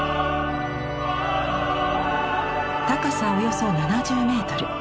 高さおよそ７０メートル。